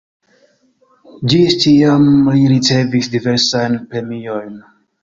Ĝis tiam li ricevis diversajn premiojn.